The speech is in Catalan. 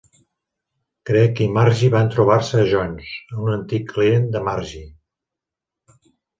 Gregg i Margy van trobar-se a Jones, un antic client de Margy.